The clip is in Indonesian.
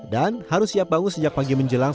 dan harus siap bangun sejak pagi menjelang